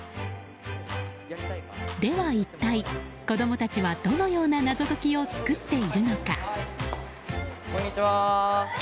では、一体子供たちはどのような謎解きを作っているのか？